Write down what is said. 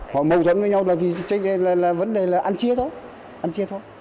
họ mâu thuẫn với nhau là vì vấn đề là ăn chia thôi ăn chia thôi